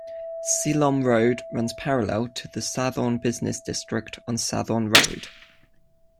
Silom Road runs parallel to the Sathorn business district on Sathon Road.